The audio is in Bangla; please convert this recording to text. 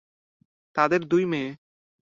তাদের দুই মেয়ে।